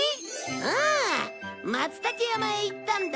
ああ松たけ山へ行ったんだ。